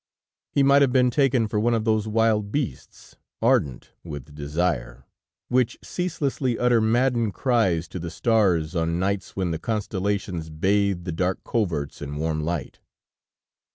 He might have been taken for one of those wild beasts ardent with desire, which ceaselessly utter maddened cries to the stars on nights when the constellations bathe the dark coverts in warm light.